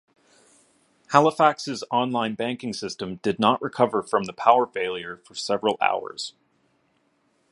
Halifax's online banking system did not recover from the power failure for several hours.